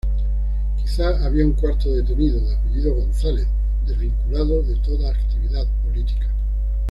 Quizá había un cuarto detenido, de apellido González, desvinculado de toda actividad política.